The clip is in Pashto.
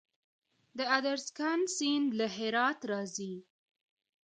د ادرسکن سیند له هرات راځي